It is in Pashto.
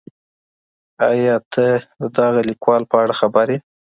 ایا ته د دغه لیکوال په اړه خبر یې؟